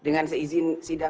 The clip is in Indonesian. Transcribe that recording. dengan seizin sidang